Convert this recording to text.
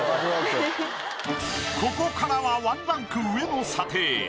ここからは１ランク上の査定。